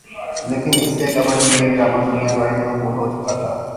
لیکن اس سے قبل ہی یہ ڈرامہ دنیا بھر میں مقبول ہوچکا تھا